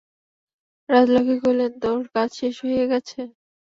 রাজলক্ষ্মী কহিলেন, তোর কাজ শেষ হইয়া গেছে?